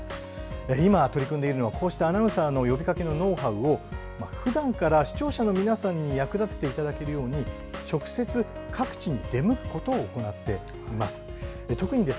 今、取り組んでいるのはこうしたアナウンサーの呼びかけのノウハウをふだんから視聴者の皆さんに役立てていただけるように直接、各地に出向くことを行っています。